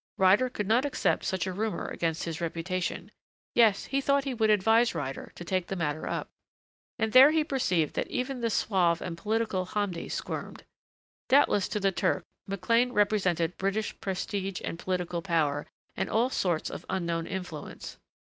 Ryder could not accept such a rumor against his reputation. Yes, he thought he would advise Ryder to take the matter up. And there he perceived that even the suave and politic Hamdi squirmed. Doubtless to the Turk, McLean represented British prestige and political power and all sorts of unknown influence....